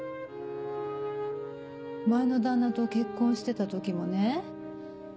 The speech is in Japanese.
前の旦那と結婚してた時もね